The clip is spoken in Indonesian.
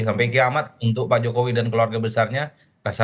sampai kiamat untuk pak jokowi dan keluarga besarnya